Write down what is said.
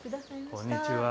こんにちは